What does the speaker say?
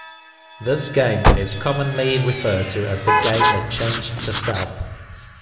This game is commonly referred to as the game that changed the south.